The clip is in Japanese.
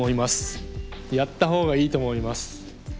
やったほうがいいと思います。